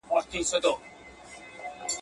تاریخ د انسانانو هویت ساتي